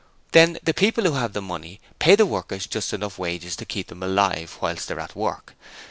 Then the people who have the money pay the workers just enough wages to keep them alive whilst they are at work.